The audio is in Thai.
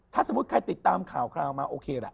ถ้าสมมุติใครติดตามข่าวคราวมาโอเคล่ะ